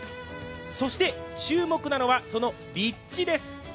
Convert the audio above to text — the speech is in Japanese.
そして、注目なのはその立地です。